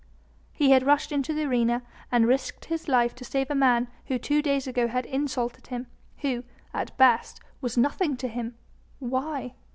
He had rushed into the arena and risked his life to save a man who two days ago had insulted him, who at best was nothing to him. Why?